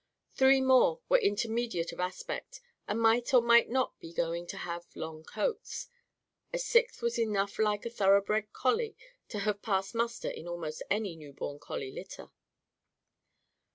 Three more were intermediate of aspect, and might or might not be going to have long coats. A sixth was enough like a thoroughbred collie to have passed muster in almost any newborn collie litter.